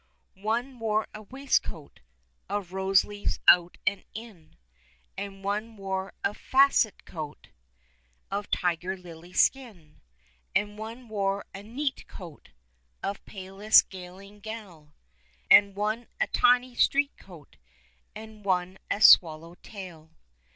One wore a waistcoat Of rose leaves, out and in ; And one wore a faced coat Of tiger lily skin ; And one wore a neat coat Of palest galingale ; And one a tiny street coat, And one a swallow tail.